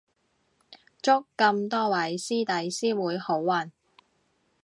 祝咁多位師弟師妹好運